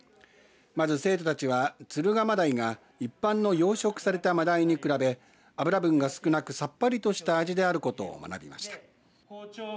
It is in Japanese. まず生徒たちは、敦賀真鯛が一般の養殖された真鯛に比べ脂分が少なくさっぱりとした味であることを学びました。